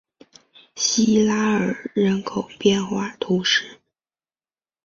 西拉尔人口变化图示